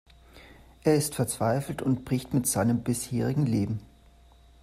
Er ist verzweifelt und bricht mit seinem bisherigen Leben.